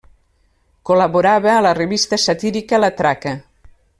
Col·laborava a la revista satírica La Traca.